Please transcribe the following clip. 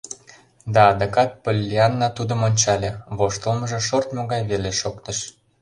Да адакат Поллианна тудым ончале — воштылмыжо шортмо гай веле шоктыш.